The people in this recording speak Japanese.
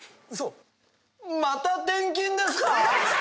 また転勤ですか！？